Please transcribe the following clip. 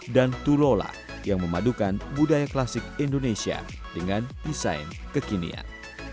dan tulola yang memadukan budaya klasik indonesia dengan desain kekinian